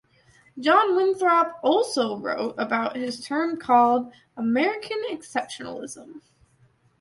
John Winthrop also wrote about this term called, American Exceptionalism.